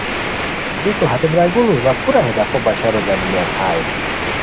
بیکو ہتے برارگینی وا کورا ہے ڈاقو بشارو گانینیان خائے